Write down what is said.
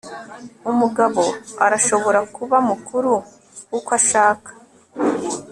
umugabo arashobora kuba mukuru uko ashaka